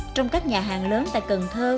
trong các nhà hàng lớn tại cần thơ